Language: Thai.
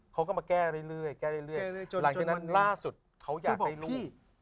เขาก็มาแก้เรื่อยละครั้งนั้นล่าสุดเขาอยากไปรู้